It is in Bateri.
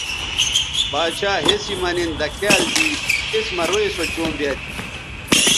باڇھا ہسی مہ نِن دکھیال دی اِس مہ روئ سو چوں بیاد تھی